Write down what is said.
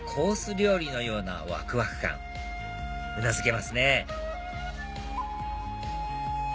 料理のようなわくわく感うなずけますね